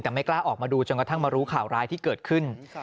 แต่ไม่กล้าออกมาดูจนกระทั่งมารู้ข่าวร้ายที่เกิดขึ้น